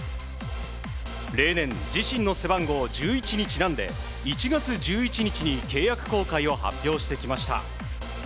例年自身の背番号１１にちなんで１月１１日に契約更改を発表してきました。